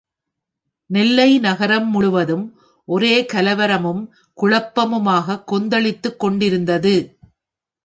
நெல்லை நகர் முழுவதும் ஒரே கலவரமும் குழப்பமுமாகக் கொந்தளித்துக் கொண்டிருந்தது.